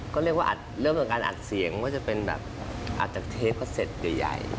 ก็เรียกว่าเริ่มจากการอัดเสียงว่าจะเป็นแบบอาจจะเทปก็เซ็ตใหญ่